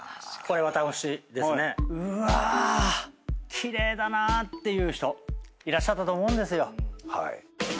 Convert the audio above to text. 奇麗だなっていう人いらっしゃったと思うんですよ。